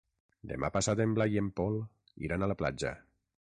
Demà passat en Blai i en Pol iran a la platja.